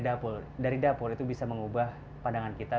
dapur dari dapur itu bisa mengubah pandangan kita